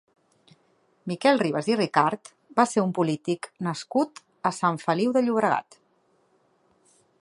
Miquel Ribas i Ricart va ser un polític nascut a Sant Feliu de Llobregat.